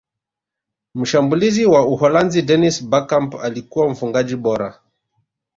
mshambulizi wa uholanzi dennis berkgamp alikuwa mfungaji bora